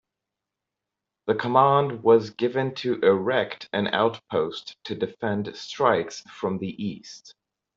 The command was given to erect an outpost to defend strikes from the east.